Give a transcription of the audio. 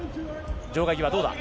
場外際、どうだ？